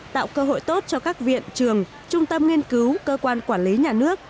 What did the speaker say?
tạo cơ hội tốt cho các viện trường trung tâm nghiên cứu cơ quan quản lý nhà nước